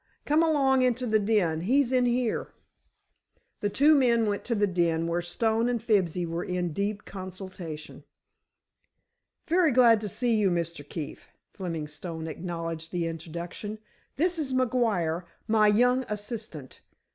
Come along into the den, he's in here." The two men went to the den, where Stone and Fibsy were in deep consultation. "Very glad to see you, Mr. Keefe," Fleming Stone acknowledged the introduction. "This is McGuire, my young assistant.